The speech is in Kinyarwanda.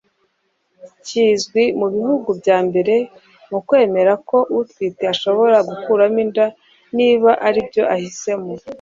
Kizwi mu bihugu bya mbere mu kwemera ko utwite ashobora gukuramo inda niba ri byo ahisemo